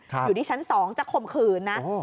อยู่ที่ชั้น๒จะข่มขืนนะ